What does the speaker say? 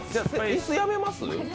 椅子、やめます？